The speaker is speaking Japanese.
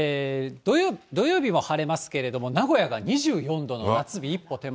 土曜日も晴れますけれども、名古屋が２４度の夏日一歩手前。